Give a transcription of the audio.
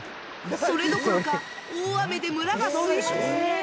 それどころか大雨で村が水没。